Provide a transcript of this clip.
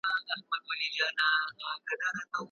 ايا تاسې د هغوی د فاميل قدر لرئ؟